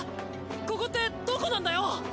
ここってどこなんだよ！